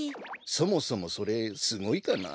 そもそもそれすごいかな？